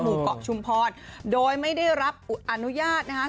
หมู่เกาะชุมพรโดยไม่ได้รับอนุญาตนะคะ